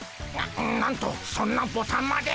ななんとそんなボタンまで。